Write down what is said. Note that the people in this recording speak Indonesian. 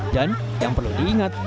dan yang perlu diingat